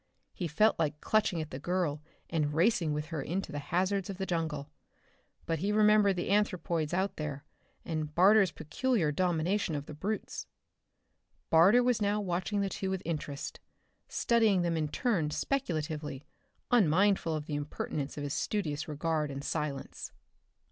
He felt like clutching at the girl and racing with her into the hazards of the jungle. But he remembered the anthropoids out there, and Barter's peculiar domination of the brutes. Barter was now watching the two with interest, studying them in turn speculatively, unmindful of the impertinence of his studious regard and silence.